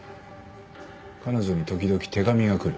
彼女に時々手紙が来る。